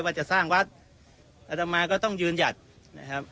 ว่าจะสร้างวัดอัตมาก็ต้องยืนหยัดนะครับ